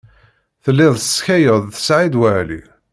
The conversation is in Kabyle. Telliḍ tesskayeḍ-d Saɛid Waɛli.